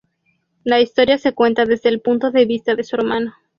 La historia se cuenta desde el punto de vista de su hermano.